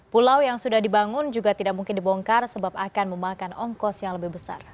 pulau yang sudah dibangun juga tidak mungkin dibongkar sebab akan memakan ongkos yang lebih besar